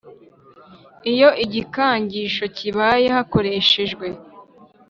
Iyo igikangisho kibaye hakoreshejwe